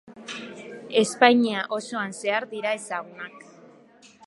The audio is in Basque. Espainia osoan zehar dira ezagunak.